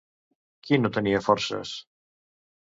Qui no tenia forces?